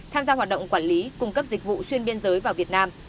tham gia hoạt động quản lý cung cấp dịch vụ xuyên biên giới vào việt nam